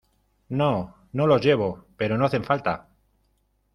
no, no los llevo , pero no hacen falta.